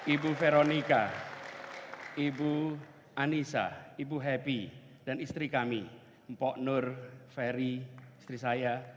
ibu veronica ibu anissa ibu happy dan istri kami mpok nur ferry istri saya